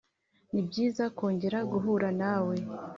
Nibyiza kongera guhura nawe